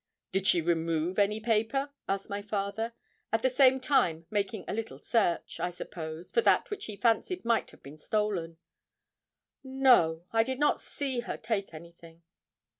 'Did she remove any paper?' asked my father, at the same time making a little search, I suppose, for that which he fancied might have been stolen. 'No; I did not see her take anything.'